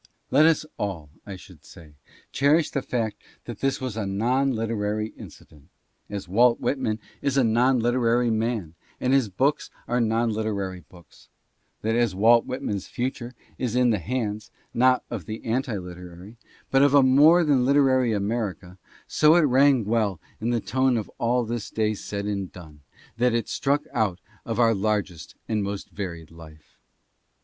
Let us all, I should say, cherish the fact that this was a non literary inci dent, as Walt Whitman is a non literary man and his books are non literary books ; that as Walt Whitman's future is in the hands, not of an anti literary, but of a more than literary America, so it rang well in the tone of all this day said and done that it struck out of our largest and most varied life.